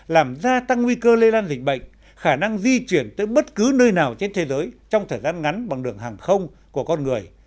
làm gia tăng nguy cơ lây lan dịch bệnh khả năng di chuyển tới bất cứ nơi nào trên thế giới trong thời gian ngắn bằng đường hàng không của con người